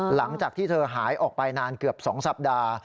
หลังจากที่เธอหายออกไปนานเกือบ๒สัปดาห์